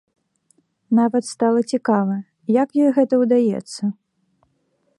Нават стала цікава, як ёй гэта ўдаецца?